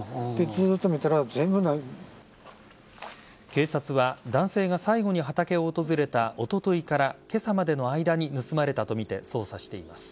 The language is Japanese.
警察は男性が最後に畑を訪れたおとといから今朝までの間に盗まれたとみて捜査しています。